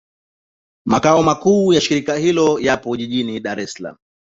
Makao makuu ya shirika hilo yapo Dar es Salaam.